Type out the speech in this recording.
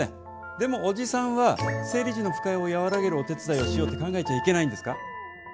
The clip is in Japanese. でもおじさんは生理時の不快をやわらげるお手伝いをしようって考えちゃいけないんですか？